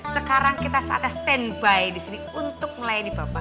sekarang kita saatnya standby di sini untuk melayani bapak